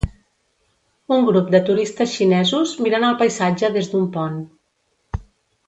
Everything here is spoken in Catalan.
Un grup de turistes xinesos miren el paisatge des d'un pont.